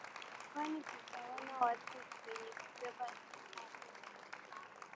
kwani tunaona watu wenye kubeba sihala